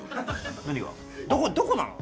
どこなの？